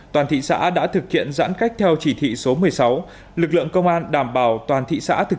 toàn thị xã đã thực hiện giãn cách theo chỉ thị số một mươi sáu lực lượng công an đảm bảo toàn thị xã thực